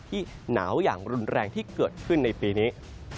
ที่หนาวอย่างรุนแรงที่เกิดขึ้นในปีนี้